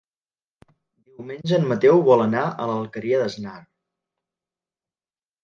Diumenge en Mateu vol anar a l'Alqueria d'Asnar.